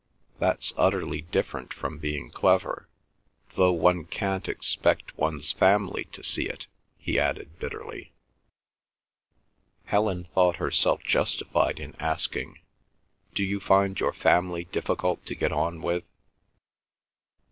That's utterly different from being clever, though one can't expect one's family to see it," he added bitterly. Helen thought herself justified in asking, "Do you find your family difficult to get on with?"